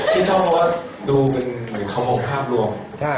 ที่ชมว่าดูเหมือนคำโครงภาพรวม